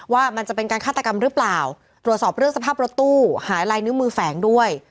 ว่ามันจะเป็นการฆาตกรรมหรือเปล่าตรวจสอบเรื่องสภาพรถตู้หายลายนิ้วมือแฝงด้วย